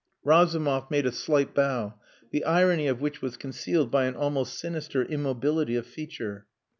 Razumov made a slight bow, the irony of which was concealed by an almost sinister immobility of feature.